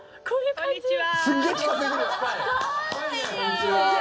こんにちは。